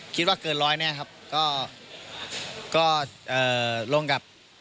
คิดว่าเกินร้อยแน่ครับก็ก็เอ่อลงกับ